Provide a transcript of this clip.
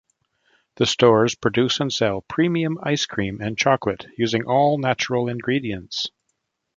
The stores produce and sell premium ice cream and chocolate using all natural ingredients.